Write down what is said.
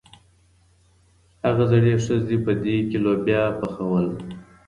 هغې زړې ښځې په دېګ کې لوبیا پخولې.